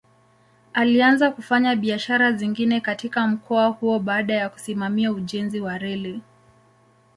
Alianza kufanya biashara zingine katika mkoa huo baada ya kusimamia ujenzi wa reli.